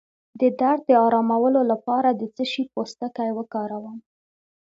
د درد د ارامولو لپاره د څه شي پوستکی وکاروم؟